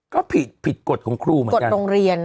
ก็ผิดผิดกฎของครูเหมือนกันกฎโรงเรียน